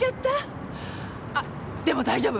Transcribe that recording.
あっでも大丈夫。